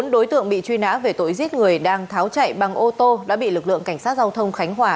bốn đối tượng bị truy nã về tội giết người đang tháo chạy bằng ô tô đã bị lực lượng cảnh sát giao thông khánh hòa